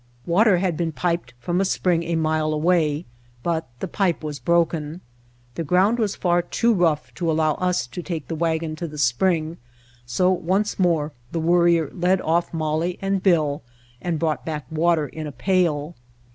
Water had been piped from a spring a mile away, but the pipe was broken. The ground was far too rough to allow us to take the wagon to the spring, so once more the Worrier led ofif Molly and Bill and brought back water in a pail.